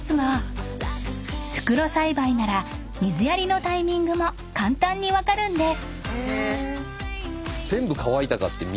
［袋栽培なら水やりのタイミングも簡単に分かるんです］